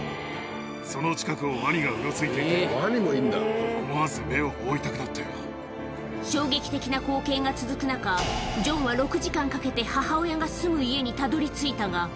その近くをワニがうろついていて、衝撃的な光景が続く中、ジョンは６時間かけて母親が住む家にたどりついたが。